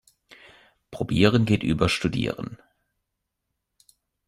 Probieren geht über studieren.